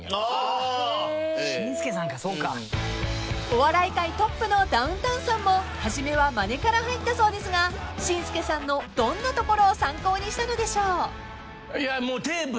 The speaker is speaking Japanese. ［お笑い界トップのダウンタウンさんも初めはまねから入ったそうですが紳助さんのどんなところを参考にしたのでしょう？］